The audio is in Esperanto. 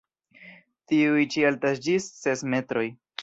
Tiuj ĉi altas ĝis ses metroj.